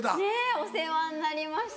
お世話になりました。